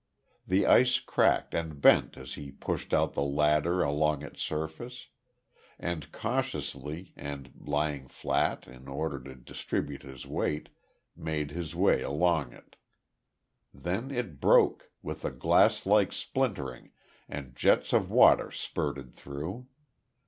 The ice cracked and bent as he pushed out the ladder along its surface; and cautiously, and lying flat in order to distribute his weight, made his way along it. Then it broke, with a glass like splintering, and jets of water spurted through.